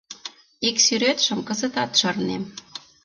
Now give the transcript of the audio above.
Ик сӱретшым кызытат шарнем.